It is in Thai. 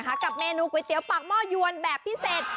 กับเมนูก๋วยเตี๋ยวปากหม้อยวนแบบพิเศษ